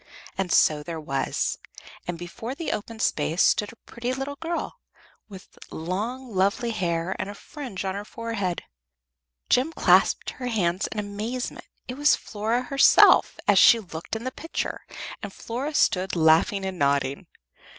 And so there was, and before the open space stood a pretty little girl, with long lovely hair and a fringe on her forehead. Jem clasped her hands in amazement. It was Flora herself, as she looked in the picture, and Flora stood laughing and nodding.